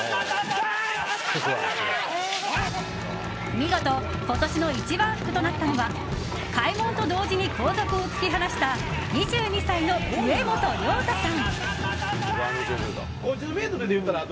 見事、今年の一番福となったのは開門と同時に後続を突き放した２２歳の植本亮太さん。